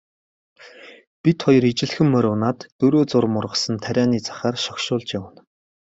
Бид хоёр ижилхэн бор морь унаад дөрөө зурам ургасан тарианы захаар шогшуулж явна.